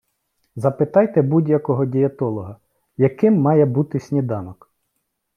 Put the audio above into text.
Запитайте будь-якого дієтолога: «Яким має бути сніданок?»